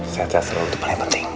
saya cahaya selalu itu paling penting